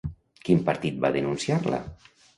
Quin partit va denunciar-la?